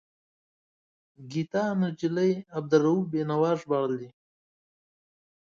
ګیتا نجلي عبدالرؤف بینوا ژباړلی.